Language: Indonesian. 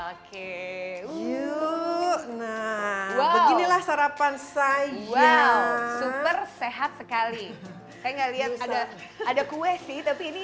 oke yuk nah beginilah sarapan saya super sehat sekali saya enggak lihat ada ada kue sih tapi ini